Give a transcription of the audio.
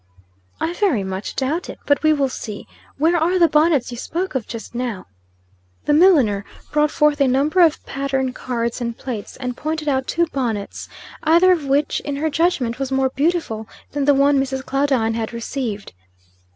"I very much doubt it. But we will see. Where are the bonnets you spoke of just now?" The milliner brought forth a number of pattern cards and plates, and pointed out two bonnets, either of which, in her judgment, was more beautiful than the one Mrs. Claudine had received.